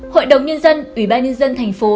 hội đồng nhân dân ủy ban nhân dân thành phố